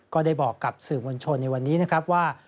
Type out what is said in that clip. ก็ได้บอกกับสื่อมวลชนในวันนี้นะครับว่า